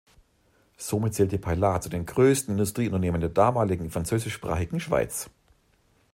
Somit zählte Paillard zu den größten Industrie-Unternehmen der damaligen französischsprachigen Schweiz.